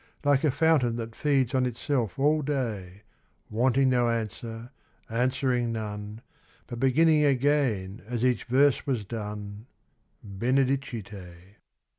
Like a fountain that feeds on itself all day, Wanting no answer, answering none, But beginning again as each verse was done, Benedicite.